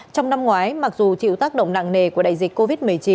trong năm ngoái mặc dù chịu tác động nặng nề của đại dịch covid một mươi chín